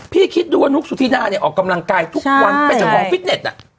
คิดดูว่านุ๊กสุธินาเนี่ยออกกำลังกายทุกวันเป็นเจ้าของฟิตเน็ต